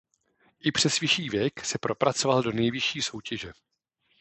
I přes vyšší věk se propracoval do nejvyšší soutěže.